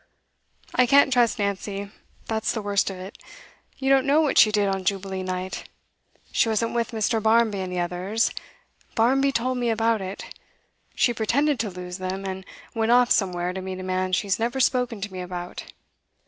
I can't trust Nancy, that's the worst of it. You don't know what she did on Jubilee night. She wasn't with Mr. Barmby and the others Barmby told me about it; she pretended to lose them, and went off somewhere to meet a man she's never spoken to me about.